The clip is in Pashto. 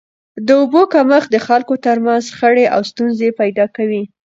د اوبو کمښت د خلکو تر منځ شخړي او ستونزي پیدا کوي.